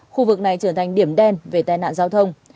khu vực này trở thành điểm đen về tai nạn giao thông